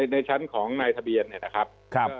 ในชั้นของนายทะเบียนเนี่ยนะครับ